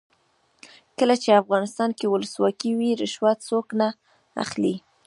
کله چې افغانستان کې ولسواکي وي رشوت څوک نه اخلي.